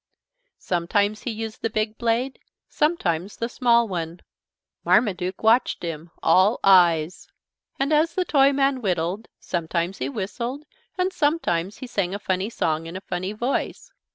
Sometimes he used the big blade, sometimes the small one. Marmaduke watched him, all eyes. And as the Toyman whittled sometimes he whistled, and sometimes he sang a funny song in a funny voice.